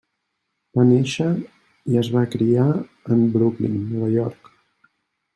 Va néixer i es va criar en Brooklyn, Nova York.